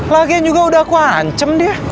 lagian juga udah aku ancem dia